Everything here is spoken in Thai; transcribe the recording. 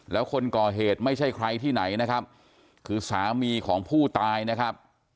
แล้วคนก่อเหตุไม่ใช่ใครที่ไหนนะครับคือสามีของผู้ตายนะครับ